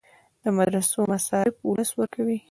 د مدرسو مصارف ولس ورکوي